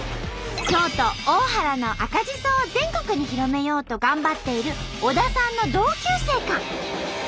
京都大原の赤じそを全国に広めようと頑張っている小田さんの同級生か。